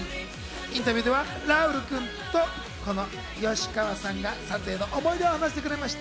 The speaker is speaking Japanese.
インタビューではラウール君とこの吉川さんが撮影の思い出を話してくれました。